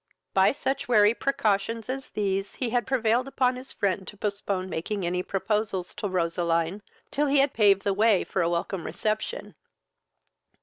By such wary precautions as these he had prevailed upon his friend to postpone making any proposals to Roseline, till he had paved the way for a welcome reception.